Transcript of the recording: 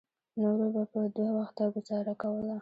نورو به په دوه وخته ګوزاره کوله.